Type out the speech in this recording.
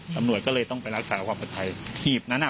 ตำรวจก็เลยต้องไปรักษาความปลอดภัยหีบนั้นอ่ะ